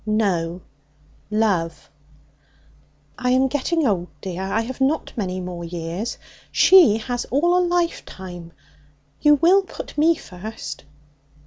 'No. Love.' 'I am getting old, dear. I have not many more years. She has all a lifetime. You will put me first?'